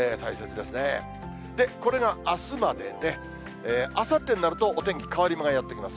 で、これがあすまでで、あさってになると、お天気変わり目がやってきます。